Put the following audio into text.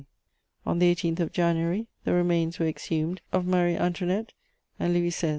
_ On the 18th of January, the remains were exhumed of Marie Antoinette and Louis XVI.